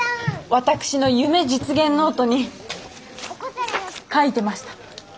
「私の夢・実現ノート」に書いてました！